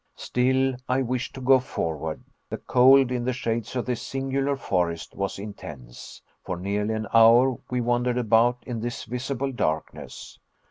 Still I wished to go forward. The cold in the shades of this singular forest was intense. For nearly an hour we wandered about in this visible darkness.